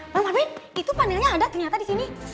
bang abed itu panelnya ada ternyata di sini